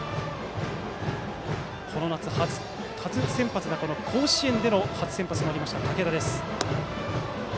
この夏初先発が甲子園での先発になりました、竹田です。